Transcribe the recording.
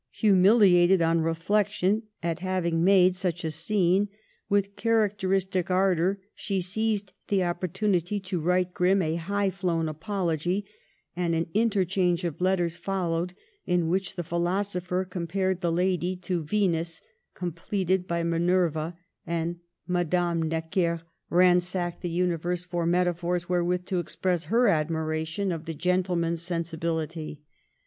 Humiliated, on reflection, at having made such a scene, with characteristic ardor, she seized the opportunity to write Grimm a high flown apol ogy ; and an interchange of letters followed in which the philosopher compared the lady to Venus completed by Minerva, and Madame Digitized by VjOOQIC 12 ~ MADAME DE <STA£L. Necker ransacked the universe for metaphors wherewith to express her admiration of the gen tleman's sensibility.